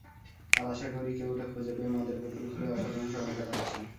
আর আশা করি কেউ ওটা খুঁজে পেয়ে, মদের বোতল খুলে অসাধারণ সময় কাটাচ্ছে।